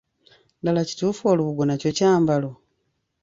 Ddala kituufu olubugo nakyo kyambalo?